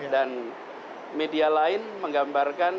dan media lain menggambarkan